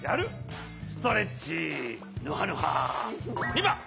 ２ばん！